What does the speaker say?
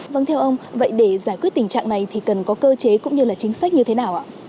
vâng theo ông vậy để giải quyết tình trạng này thì cần có cơ chế cũng như là chính sách như thế nào ạ